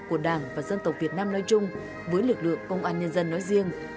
của đảng và dân tộc việt nam nói chung với lực lượng công an nhân dân nói riêng